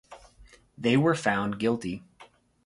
They were found guilty.